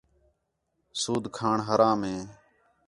سُود کھاݨ حرام ہے